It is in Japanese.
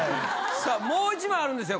さあもう１枚あるんですよ。